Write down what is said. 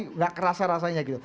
tidak kerasa rasanya gitu